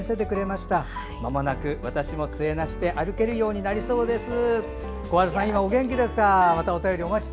まもなく私もつえなしで歩けるようになりそうです。